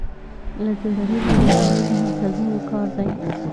له څېړنیزو روزنیزو مرکزونو کار دی